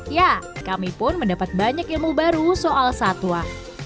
ya kami pun mendapat banyak ilmu baru soal satwa